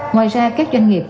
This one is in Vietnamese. ngoài ra các doanh nghiệp